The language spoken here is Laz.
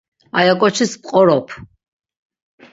Aya ǩoçis p̌qorop.